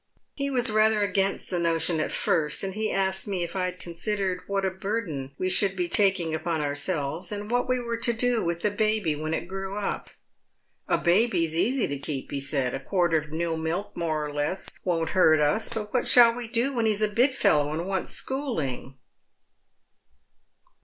Ho was rather against the notion at first, and he asked me if I had considered what a burden we should be taking upon our Eelves, and what we were to do with the baby when it grew up. *A baby's easy to keep ;' he said ;' a quart of new milk more or less won't hurt us, but what shall we do when he's a big fellow and wants (schooling?'